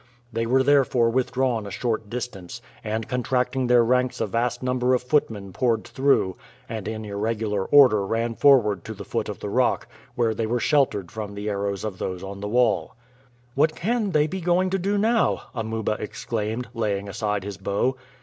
They were therefore withdrawn a short distance, and contracting their ranks a vast number of footmen poured through, and in irregular order ran forward to the foot of the rock, where they were sheltered from the arrows of those on the wall. "What can they be going to do now?" Amuba exclaimed, laying aside his bow.